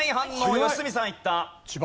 良純さんいった。